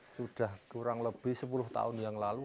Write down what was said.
sudah kurang lebih sepuluh tahun yang lalu